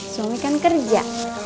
suami kan kerja